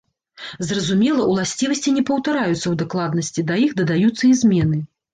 Зразумела, уласцівасці не паўтараюцца ў дакладнасці, да іх дадаюцца і змены.